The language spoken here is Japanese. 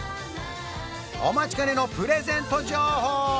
お待ちかねのプレゼント情報